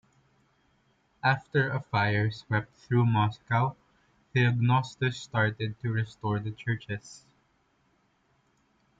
After a fire swept through Moscow, Theognostus started to restore the churches.